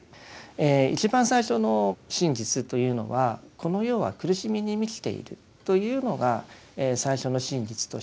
一番最初の真実というのは「この世は苦しみに満ちている」というのが最初の真実として説かれました。